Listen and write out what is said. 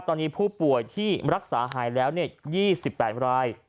ตอนนี้ผู้ป่วยที่รักษาหายแล้ว๒๘ราย